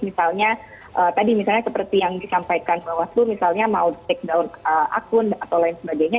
misalnya tadi misalnya seperti yang disampaikan bawaslu misalnya mau take down akun atau lain sebagainya